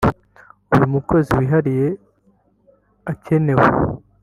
uyu mukozi wihariye akenewe